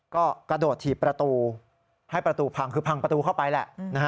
ก็กระโดดถีบประตูให้ประตูพังคือพังประตูเข้าไปแหละ